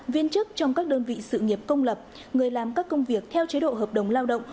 viên chức trong các đơn vị sự nghiệp công lập người làm các công việc theo chế độ hợp đồng lao động